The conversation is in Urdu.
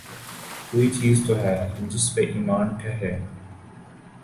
کوئی چیز تو ہو جس پہ ایمان ٹھہرے۔